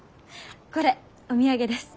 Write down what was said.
これお土産です。